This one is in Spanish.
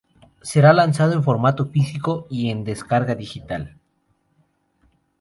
Será lanzado en formato físico y en descarga digital.